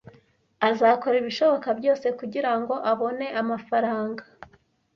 Azakora ibishoboka byose kugirango abone amafaranga.